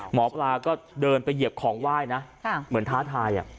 หมอปลาก็เดินไปเหยียบของไหว้นะเหมือนท้าทาย